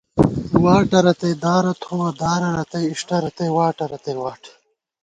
واٹہ رتئ دارہ تھووَہ، دارہ رتئ اِݭٹہ ، رتئ واٹہ رتئ واٹ